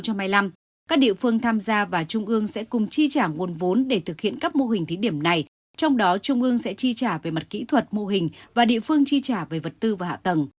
các địa phương tham gia và trung ương sẽ cùng chi trả nguồn vốn để thực hiện các mô hình thí điểm này trong đó trung ương sẽ chi trả về mặt kỹ thuật mô hình và địa phương chi trả về vật tư và hạ tầng